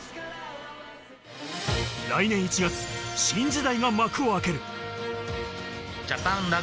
来年１月、新時代が幕を開ける。